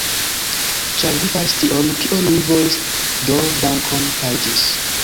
Ĉar vi faris tion, kion mi volis do dankon, kaj ĝis!